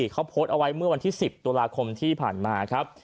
เขาโพสต์เอาไว้เมื่อวันที่๑๐ตุลาคมที่ผ่านมาครับ